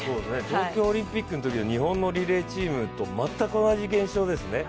東京オリンピックのときの日本のリレーチームのときと全く同じ現象ですね。